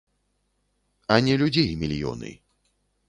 А не людзей мільёны.